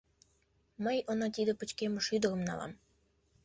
Мый уна тиде пычкемыш ӱдырым налам!